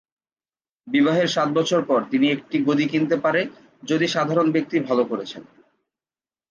বিবাহের সাত বছর পর তিনি একটি গদি কিনতে পারে যদি সাধারণ ব্যক্তি ভাল করছেন।